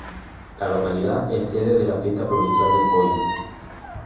La localidad es sede de la Fiesta Provincial del Pollo.